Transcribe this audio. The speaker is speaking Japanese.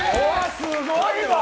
すごいわ。